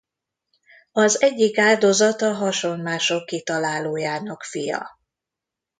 Az egyik áldozat a hasonmások kitalálójának fia.